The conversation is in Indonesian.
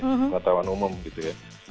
pengetahuan umum gitu ya